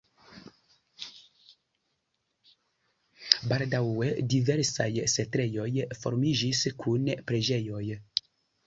Baldaŭe diversaj setlejoj formiĝis kun preĝejoj.